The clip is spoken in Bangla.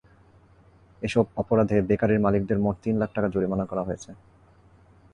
এসব অপরাধে বেকারির মালিকদের মোট তিন লাখ টাকা জরিমানা করা হয়েছে।